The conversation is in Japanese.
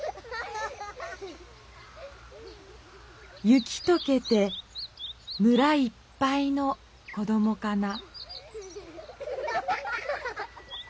「雪とけて村いっぱいの子どもかな」。